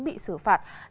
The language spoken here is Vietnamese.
bị xử phạt